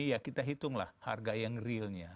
iya kita hitunglah harga yang realnya